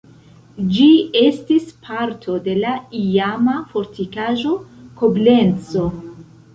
Ĝi estis parto de la iama fortikaĵo Koblenco.